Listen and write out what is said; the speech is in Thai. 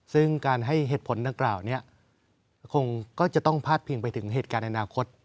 ซึ่งการให้เหตุผลดังกล่าวนี้คงก็จะต้องพาดพิงไปถึงเหตุการณ์ในอนาคต